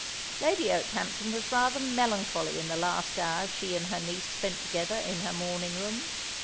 Lady Okehampton was rather melancholy in the last hour she and her niece spent together in her morning room.